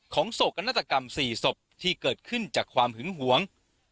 โศกนาฏกรรม๔ศพที่เกิดขึ้นจากความหึงหวง